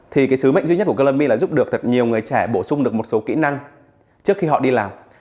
thì cái sứ mệnh duy nhất của color me là giúp đỡ nhiều người trẻ bổ sung được một số kỹ năng trước khi họ đi làm